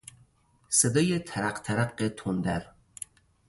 صدای ترق ترق تندر